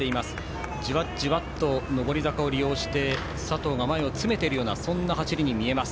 じわじわと上り坂を利用して佐藤が前を詰めているようなそんな走りに見えます。